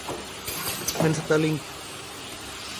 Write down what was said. เงินสเตอร์ลิง